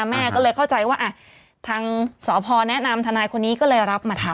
แม่ก็เลยเข้าใจว่าทางสพแนะนำทนายคนนี้ก็เลยรับมาทำ